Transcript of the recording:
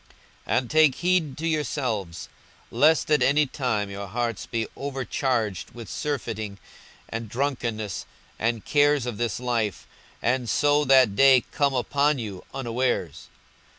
42:021:034 And take heed to yourselves, lest at any time your hearts be overcharged with surfeiting, and drunkenness, and cares of this life, and so that day come upon you unawares.